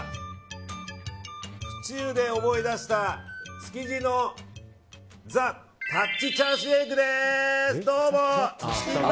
府中で思い出した築地のザ・たっちチャーシューエッグです。